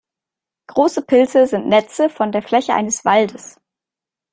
Große Pilze sind Netze von der Fläche eines Waldes.